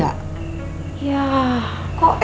baik dong cukup